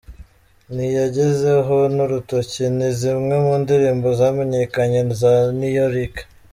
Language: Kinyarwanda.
Ntiyangezeho n’Urutoki ni zimwe mu ndirimbo zamenyekanye za Niyo Rick.